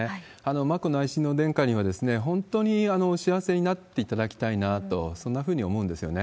眞子内親王殿下には、本当にお幸せになっていただきたいなと、そんなふうに思うんですよね。